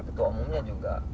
ketua umumnya juga